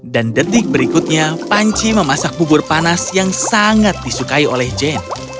dan detik berikutnya panci memasak bubur panas yang sangat disukai oleh jane